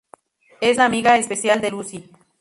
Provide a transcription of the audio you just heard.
Es la amiga especial de Lucy.